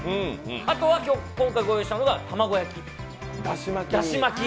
あとは今回御用意したのは卵焼き、だし巻き。